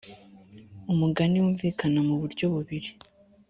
umugani wumvikana mu buryo bubiri.